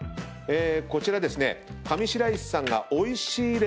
こちらですね上白石さんがおいしい